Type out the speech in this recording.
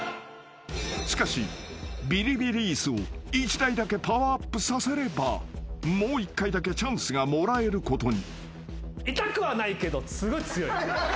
［しかしびりびり椅子を１台だけパワーアップさせればもう１回だけチャンスがもらえることに］